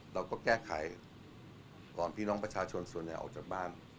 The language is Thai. เราก็แก้ไขก่อนพี่น้องประชาชนส่วนใหญ่ออกจากบ้าน